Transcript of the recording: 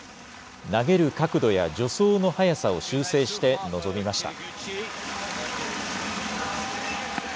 投げる角度や助走の速さを修正して臨みました。